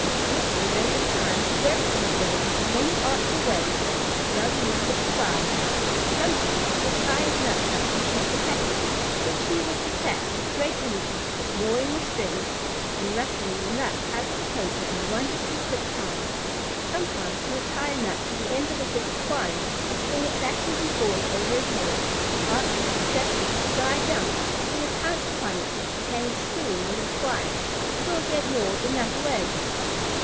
Whiskey learned in time to work for his living in many artful ways that his young mistress devised. Sometimes she would tie his nuts up in a paper package, which he would attack with great energy, gnawing the strings, and rustling the nuts out of the paper in wonderfully quick time. Sometimes she would tie a nut to the end of a bit of twine and swing it backward and forward over his head; and after a succession of spry jumps, he would pounce upon it, and hang swinging on the twine, till he had gnawed the nut away.